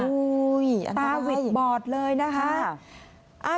อุ๊ยตาหวิดบอดเลยนะคะ